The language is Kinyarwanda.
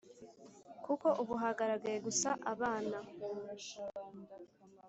kuko ubu hagaragaye gusa abana